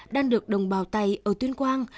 đang được đồng bào tày ở tuyên quang